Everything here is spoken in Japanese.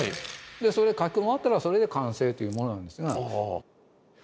それで書き込み終わったらそれで完成というものなんですが。